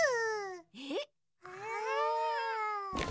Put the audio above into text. えっ！？